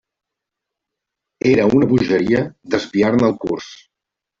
Era una bogeria desviar-ne el curs.